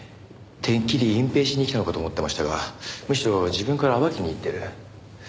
てっきり隠蔽しに来たのかと思ってましたがむしろ自分から暴きにいってる。